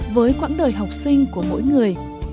với quãng đời học sinh của mỗi người